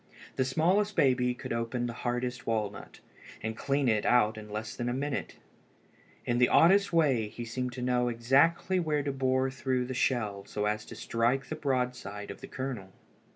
The smallest baby could open the hardest walnut, and clean it out in less than a minute. In the oddest way he seemed to know exactly where to bore through the shell so as to strike the broad side of the kernel.